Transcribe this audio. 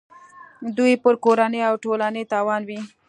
دوی پر کورنۍ او ټولنې تاوان وي.